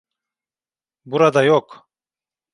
Burada yok.